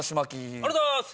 ありがとうございます！